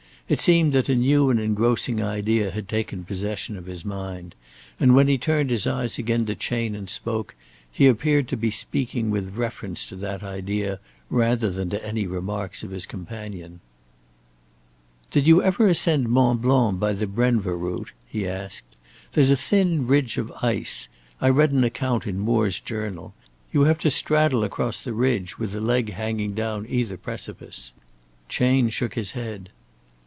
It seemed that a new and engrossing idea had taken possession of his mind, and when he turned his eyes again to Chayne and spoke, he appeared to be speaking with reference to that idea rather than to any remarks of his companion. "Did you ever ascend Mont Blanc by the Brenva route?" he asked. "There's a thin ridge of ice I read an account in Moore's 'Journal' you have to straddle across the ridge with a leg hanging down either precipice." Chayne shook his head.